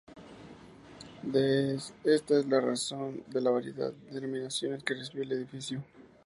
Esta es la razón de la variedad de denominaciones que recibió el edificio.